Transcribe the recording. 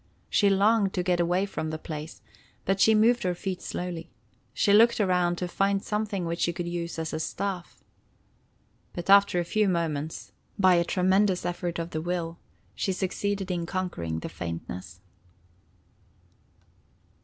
She longed to get away from the place, but she moved her feet slowly. She looked around to find something which she could use as a staff. But after a few moments, by a tremendous effort of the will, she succeeded in conquering the faintness.